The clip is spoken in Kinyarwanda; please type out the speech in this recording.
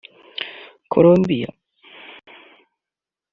Colombie